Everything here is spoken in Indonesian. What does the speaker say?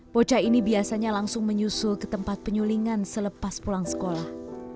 bocah ini biasanya langsung menyusul ke tempat penyulingan selepas pulang sekolah